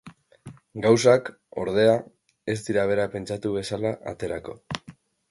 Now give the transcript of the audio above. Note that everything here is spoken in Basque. Gauzak, ordea, ez dira berak pentsatu bezala aterako.